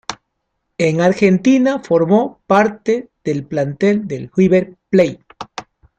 En Argentina, formó parte del plantel de River Plate.